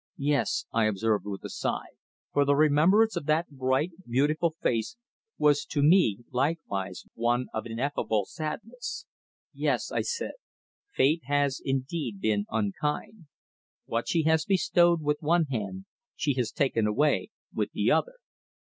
"Yes," I observed with a sigh, for the remembrance of that bright, beautiful face was to me likewise one of ineffable sadness. "Yes," I said, "Fate has indeed been unkind. What she has bestowed with one hand, she has taken away with the other."